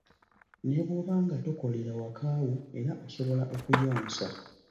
Ne bw'oba nga tokolera waka wo, era osobola okuyonsa .